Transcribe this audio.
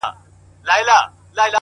پردي خواړه يا پور دى يا پيغور -